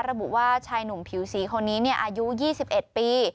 ระบุว่าชายหนุ่มผิวสีคนนี้เนี่ยอายุยี่สิบเอ็ดปี